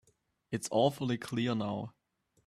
It's awfully clear now.